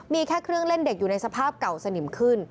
มีแค่เครื่องเล่นเด็กอยู่ในสภาพเก่าสนิมขึ้น